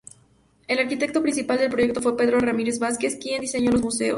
El arquitecto principal del proyecto fue Pedro Ramírez Vázquez, quien diseñó los museos.